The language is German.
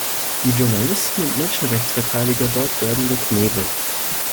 Die Journalisten und Menschenrechtsverteidiger dort werden geknebelt.